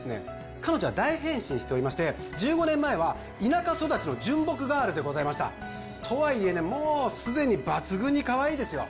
彼女は大変身しておりまして１５年前は田舎育ちの純朴ガールでございましたとはいえねもうすでに抜群にかわいいですよ